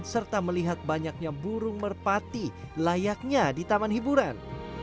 serta melihat banyaknya burung merpati layaknya di taman hiburan